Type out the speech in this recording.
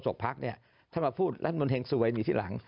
โพศกภาคถ้ามันพูดท่านบรรเมืองซวยมีที่หลัง